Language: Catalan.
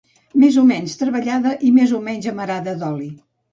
més o menys treballada i més o menys amarada d'oli